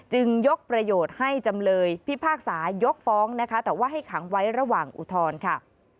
ยกประโยชน์ให้จำเลยพิพากษายกฟ้องนะคะแต่ว่าให้ขังไว้ระหว่างอุทธรณ์ค่ะ